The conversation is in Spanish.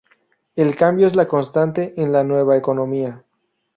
El cambio es la constante en la Nueva Economía.